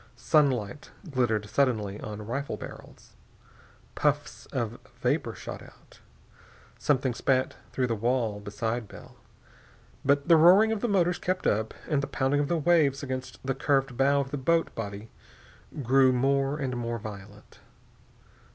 Sunlight glittered suddenly on rifle barrels. Puffs of vapor shot out. Something spat through the wall beside Bell. But the roaring of the motors kept up, and the pounding of the waves against the curved bow of the boat body grew more and more violent....